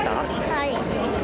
はい。